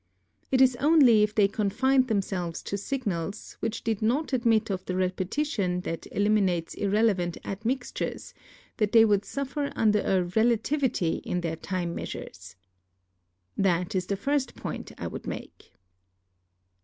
It is only if they confined themselves to signals which did not admit of the repetition that eliminates irrelevant admixtures that they would suffer under a ' relativity ' in their time measures. That is the first point I would make.